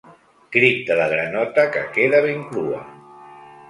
Crit de la granota que queda ben crua.